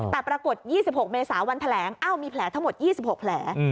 แต่ปรากฏ๒๖เมษาวันแถลงมีแผลทั้งหมด๒๖แผล